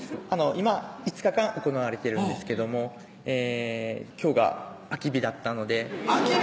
今５日間行われてるんですけどもえぇ今日が空き日だったので空き日！